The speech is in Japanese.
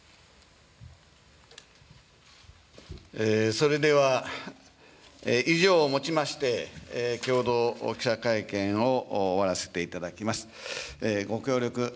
それでは、以上をもちまして、共同記者会見を終わらせていただきます。